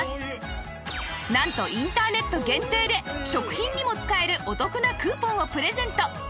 なんとインターネット限定で食品にも使えるお得なクーポンをプレゼント